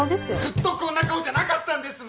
ずっとこんな顔じゃなかったんです！